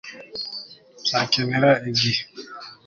nzakenera igihe